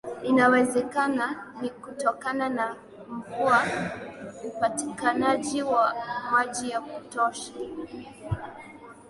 inawezekana ni kutokana na mvua upatikanaji wa maji ya kutosha